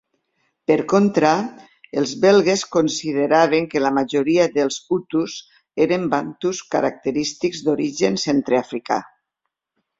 Per contra, els belgues consideraven que la majoria dels hutus eren bantus característics d'origen centreafricà.